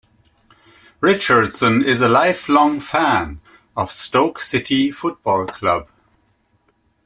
Richardson is a lifelong fan of Stoke City Football Club.